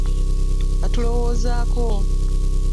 Batulowoozaako